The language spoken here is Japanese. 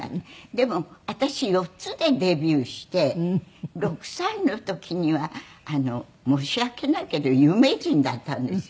でも私４つでデビューして６歳の時には申し訳ないけど有名人だったんですよ。